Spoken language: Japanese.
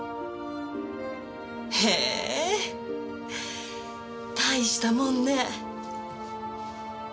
へぇ大したもんね。